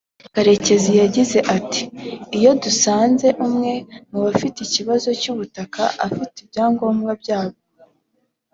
Karekezi yagize ati “Iyo dusanze umwe mu bafite ikibazo cy’ubutaka afite ibyangombwa byabwo